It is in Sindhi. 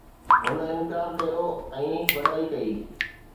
هن انڪار ڪيو ۽ وڏائي ڪئي